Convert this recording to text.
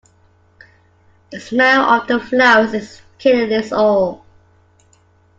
The smell of the flowers is killing us all.